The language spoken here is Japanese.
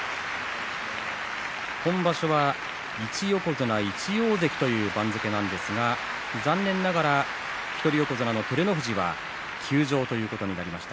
今場所は１横綱１大関という番付なんですが残念ながら一人横綱の照ノ富士は休場ということになりました。